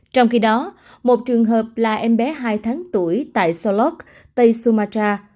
trong khi đó một trường hợp là em bé hai tháng tuổi tại solok tây sumatra